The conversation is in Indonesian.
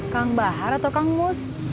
kang bahar atau kang mus